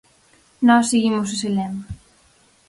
Nós seguimos ese lema.